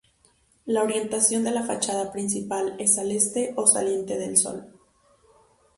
La orientación de la fachada principal es al este o saliente del sol.